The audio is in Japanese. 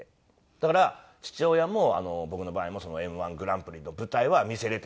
だから父親も僕の場合もＭ−１グランプリの舞台は見せられてないんですよね。